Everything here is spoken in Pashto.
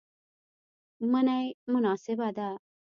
منی مناسبه ده